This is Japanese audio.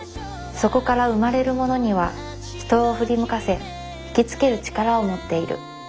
そこから生まれるものには人を振り向かせ引きつける力を持っている。